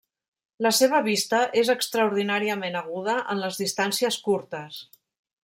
La seva vista és extraordinàriament aguda en les distàncies curtes.